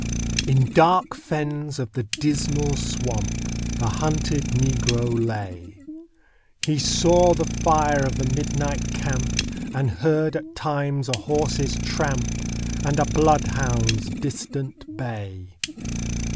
In dark fens of the Dismal Swamp The hunted Negro lay; He saw the fire of the midnight camp, And heard at times a horse's tramp And a bloodhound's distant bay.